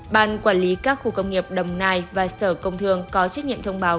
ban quản lý các khu công nghiệp đồng nai và sở công thương có trách nhiệm thông báo